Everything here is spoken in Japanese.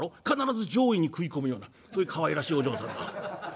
必ず上位に食い込むようなそういうかわいらしいお嬢さんだ」。